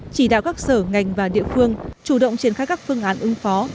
chỉ đạo các sở ngành và địa phương chủ động triển khai các phương án ứng phó